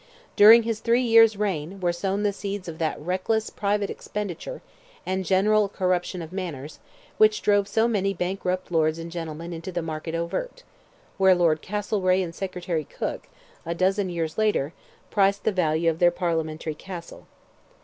During his three years' reign were sown the seeds of that reckless private expenditure, and general corruption of manners, which drove so many bankrupt lords and gentlemen into the market overt, where Lord Castlereagh and Secretary Cooke, a dozen years later, priced the value of their parliamentary cattle.